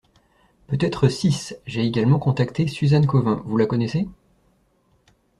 Peut-être six, j’ai également contacté Suzanne Cauvin, vous la connaissez?